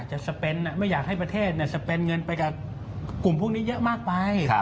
เขาไม่อยากให้ประเทศเนี่ยสเปนเงินไปกับกลุ่มพวกนี้เยอะมากไป